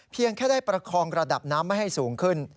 แค่ได้ประคองระดับน้ำไม่ให้สูงขึ้น